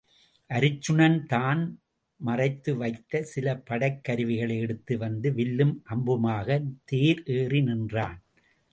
அருச்சுனன் தான் மறைத்து வைத்த சில படைக்கருவிகளை எடுத்து வந்து வில்லும் அம்புமாகத் தேர் ஏறி நின்றான்.